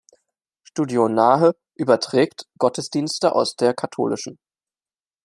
Studio Nahe überträgt Gottesdienste aus der kath.